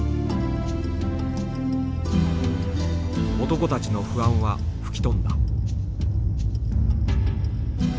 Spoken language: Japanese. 男たちの不安は吹き飛んだ。